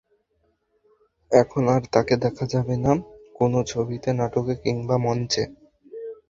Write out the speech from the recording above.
এখন আর তাঁকে দেখা যাবে না কোনো ছবিতে, নাটকে কিংবা মঞ্চে।